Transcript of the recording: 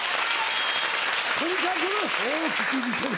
とにかく大きく見せる。